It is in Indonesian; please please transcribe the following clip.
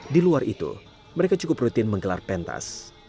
di luar itu mereka cukup rutin menggelar pentas